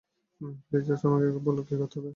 Please, just আমাকে বলো কী করতে হবে?